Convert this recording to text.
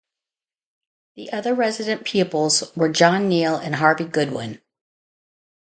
The other resident pupils were John Neale and Harvey Goodwin.